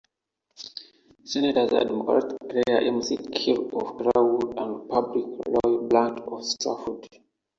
Senators are Democrat Claire McCaskill of Kirkwood and Republican Roy Blunt of Strafford.